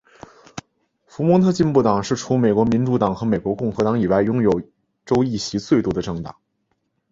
佛蒙特进步党是除美国民主党和美国共和党以外拥有州议席最多的政党。